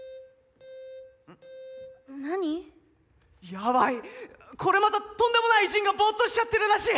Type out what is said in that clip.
やばいこれまたとんでもない偉人がボーっとしちゃってるらしい！